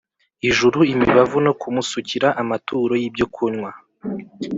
Ijuru imibavu no kumusukira amaturo y ibyokunywa